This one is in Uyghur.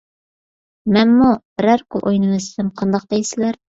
مەنمۇ بىرەر قول ئوينىۋەتسەم قانداق دەيسىلەر!